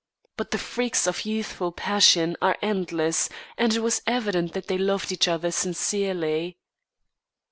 But the freaks of youthful passion are endless, and it was evident that they loved each other sincerely.